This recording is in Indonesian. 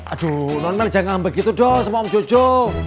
aduh non mel jangan begitu dong sama om jojo